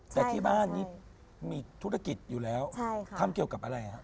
แต่ที่บ้านมีธุรกิจอยู่แล้วทำเกี่ยวกับอะไร